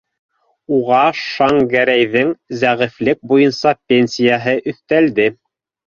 Уға Шәңгәрәйҙең зәғифлек буйынса пенсияһы өҫтәлә.